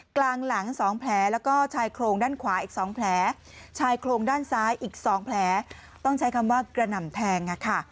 กลางหลัง๒แผลแล้วก็ชายโครงด้านขวาอีก๒แผลชายโครงด้านซ้ายอีก๒แผลต้องใช้คำว่ากระหน่ำแทงค่ะ